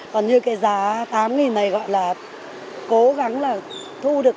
còn như cái giá tám này gọi là cố gắng là thu được